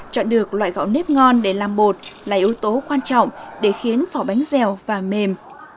chọn được loại gạo nếp ngon để làm bột là yếu tố quan trọng để khiến vỏ bánh dèo và mềm